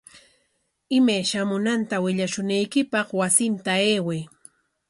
Imay shamunanta willashunaykipaq wasinta ayway.